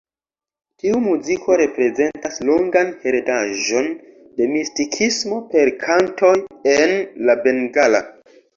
Tiu muziko reprezentas longan heredaĵon de mistikismo per kantoj en la bengala.